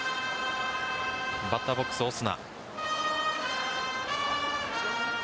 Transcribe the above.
バッターボックス、オスナ。